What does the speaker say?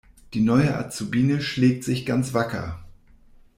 Die neue Azubine schlägt sich ganz wacker.